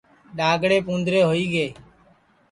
ڈؔاگݪیپ اُوندرے ہوئی گے